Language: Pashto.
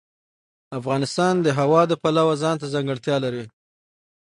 افغانستان د هوا د پلوه ځانته ځانګړتیا لري.